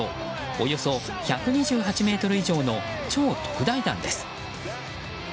およそ１２８ｍ以上の超特大弾です。